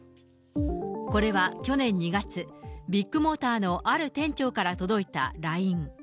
これは、去年２月、ビッグモーターのある店長から届いたＬＩＮＥ。